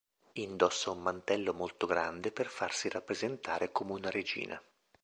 Indossa un mantello molto grande per farsi rappresentare come una regina.